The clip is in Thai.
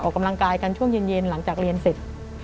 ออกกำลังกายกันช่วงเย็นหลังจากเรียนเสร็จ